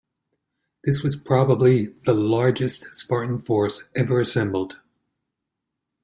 This was probably the largest Spartan force ever assembled.